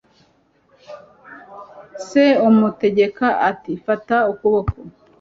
Se amutegeka ati: "Fata ukuboko."